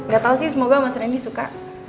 gak tau sih semoga mas rendy suka